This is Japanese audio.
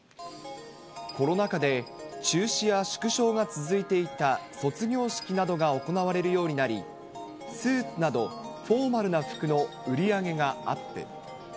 コロナ禍で中止や縮小が続いていた卒業式などが行われるようになり、スーツなど、フォーマルな服の売り上げがアップ。